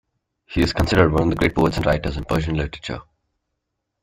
He is considered one of the great poets and writers in Persian literature.